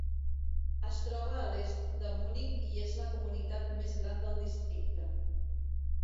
Es troba a l'est de Munic i és la comunitat més gran del districte.